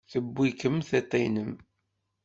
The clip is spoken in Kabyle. Tewwi-kem tiṭ-nnem.